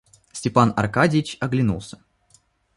Степан Аркадьич оглянулся.